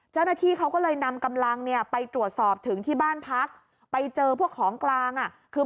เจ้าหน้าที่เขาก็เลยนำกำลังเนี่ยไปตรวจสอบถึงที่บ้านพักไปเจอพวกของกลางอ่ะคือ